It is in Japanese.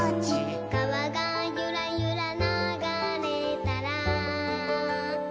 「かわがゆらゆらながれたら」